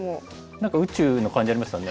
何か宇宙の感じありますよね。